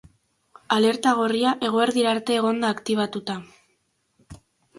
Alerta gorria eguerdia arte egon da aktibatuta.